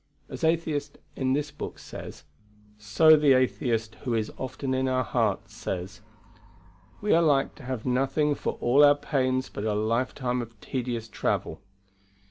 As Atheist in this book says, so the Atheist who is in our hearts often says: We are like to have nothing for all our pains but a lifetime of tedious travel.